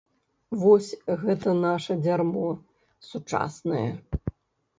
Вось гэта наша дзярмо сучаснае.